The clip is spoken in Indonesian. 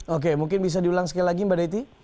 oke mungkin bisa diulang sekali lagi mbak dety